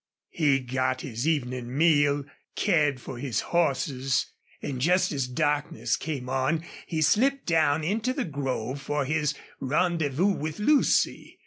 He got his evening meal, cared for his horses, and just as darkness came on he slipped down into the grove for his rendezvous with Lucy.